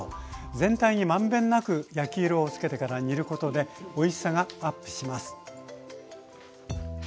全体に満遍なく焼き色をつけてから煮ることでおいしさがアップします。